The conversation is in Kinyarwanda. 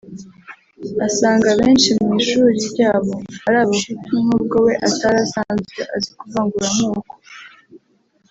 asanga abenshi mu ishuri ryabo ari Abahutu n’ubwo we atari asanzwe azi kuvangura amoko